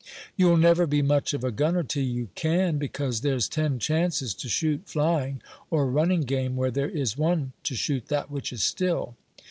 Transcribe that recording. "You'll never be much of a gunner till you can, because there's ten chances to shoot flying or running game where there is one to shoot that which is still.